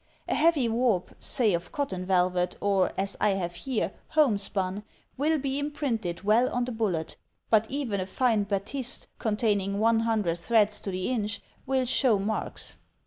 A heavy warp, say of cotton velvet or, as I have here, homespun, will be imprinted well on the bullet, but even a fine batiste, containing one himdred threads to the inch, will show marks.